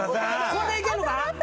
これでいけるか？